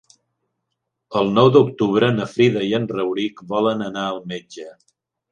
El nou d'octubre na Frida i en Rauric volen anar al metge.